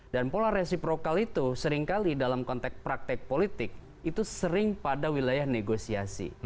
dan pola resiprokal itu seringkali dalam konteks praktek politik itu sering pada wilayah negosiasi